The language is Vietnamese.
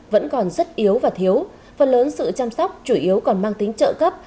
vẫn còn rất yếu và thiếu phần lớn sự chăm sóc chủ yếu còn mang tính trợ cấp